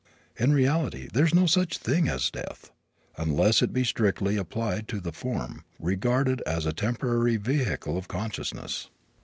In reality there is no such thing as death, unless it be strictly applied to the form, regarded as a temporary vehicle of consciousness.